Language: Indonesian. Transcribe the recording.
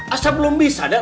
asal belum bisa dak